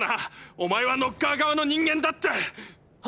⁉お前はノッカー側の人間だって！は？